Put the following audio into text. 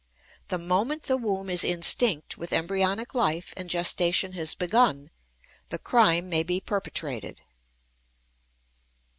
The moment the womb is instinct with embryonic life and gestation has begun, the crime may be perpetrated.